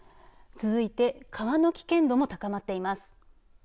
続いて川の危険度も高まっています。